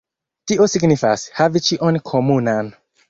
Tio signifas: havi ĉion komunan.